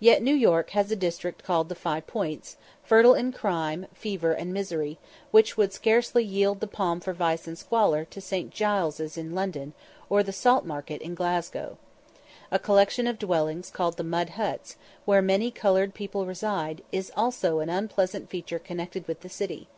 Yet New York has a district called the Five Points, fertile in crime, fever, and misery, which would scarcely yield the palm for vice and squalor to St. Giles's in London, or the Saltmarket in Glasgow. A collection of dwellings called the Mud Huts, where many coloured people reside, is also an unpleasing feature connected with the city.